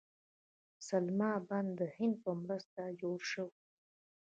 سلما بند د هند په مرسته جوړ شو